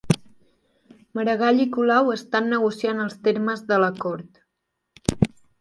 Maragall i Colau estan negociant els termes de l'acord